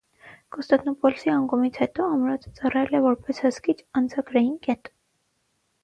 Կոստանդնուպոլսի անկումից հետո, ամրոցը ծառայել է որպես հսկիչ անցագրային կետ։